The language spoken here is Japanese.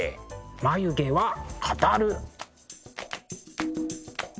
「眉毛は語る」。